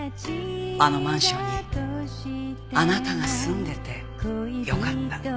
あのマンションにあなたが住んでてよかった。